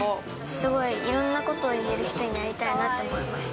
すごい、いろんなことを言える人になりたいなと思いました。